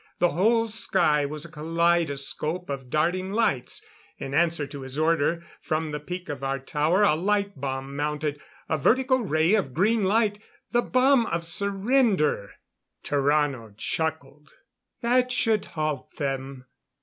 The whole sky was a kaleidoscope of darting lights. In answer to his order, from the peak of our tower a light bomb mounted a vertical ray of green light. The bomb of surrender! Tarrano chuckled. "That should halt them.